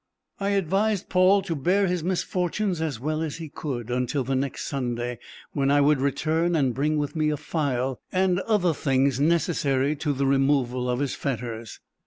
I advised Paul to bear his misfortunes as well as he could, until the next Sunday, when I would return and bring with me a file, and other things necessary to the removal of his fetters.